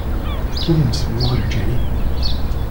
Give him some water, Jenny.